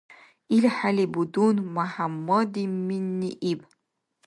ИлхӀели будун МяхӀяммадиминни иб: